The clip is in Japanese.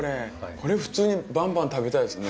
これ普通にバンバン食べたいですね。